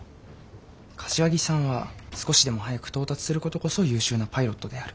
柏木さんは少しでも早く到達することこそ優秀なパイロットである。